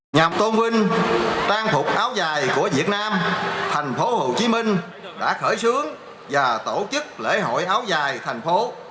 nhằm tôn vinh trang phục áo dài của việt nam tp hcm đã khởi xướng và tổ chức lễ hội áo dài tp hcm